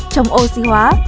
chống oxy hóa